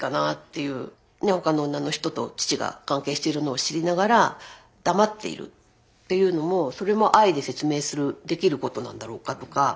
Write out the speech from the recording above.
他の女の人と父が関係しているのを知りながら黙っているっていうのもそれも愛で説明するできることなんだろうかとか。